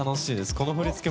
この振り付け